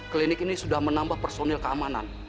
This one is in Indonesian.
klinik ini sudah menambah personil keamanan